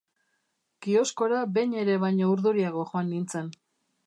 Kioskora behin ere baino urduriago joan nintzen.